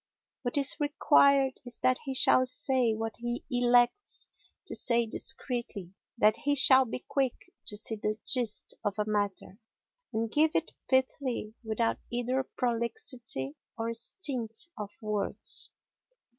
What is required is that he shall say what he elects to say discreetly; that he shall be quick to see the gist of a matter, and give it pithily without either prolixity or stint of words.